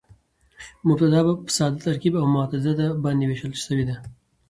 مبتداء په ساده، ترکیبي او متعدده باندي وېشل سوې ده.